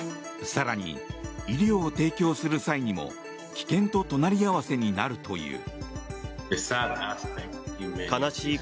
更に医療を提供する際にも危険と隣り合わせになるという。